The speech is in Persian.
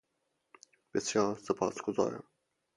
بسیار سپاسگزارم.